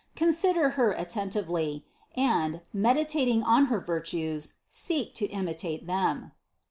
Consider Her attentively, and, meditating on her virtues, seek to imitate them."